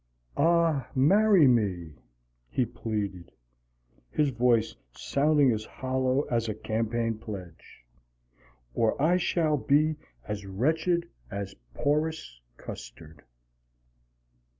"Ah, marry me" he pleaded, his voice sounding as hollow as a campaign pledge, " or I shall be as wretched as porous custard."